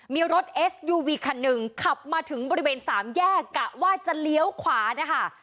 มีรถเอสยูวีคันหนึ่งขับมาถึงบริเวณสามแยกกะว่าจะเลี้ยวขวานะคะ